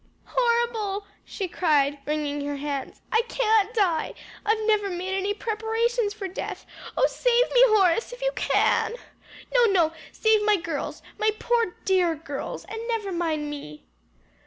"Horrible!" she cried, wringing her hands. "I can't die! I've never made any preparations for death. Oh save me, Horace, if you can! No, no save my girls, my poor dear girls, and never mind me."